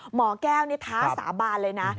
หมอแก้วนี่ท้าสาบานเลยนะ